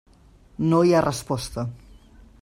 No hi ha resposta.